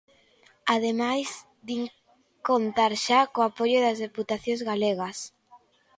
Ademais, din contar xa co apoio das deputacións galegas.